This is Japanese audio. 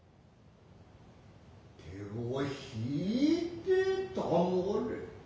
手を引いてたもれ。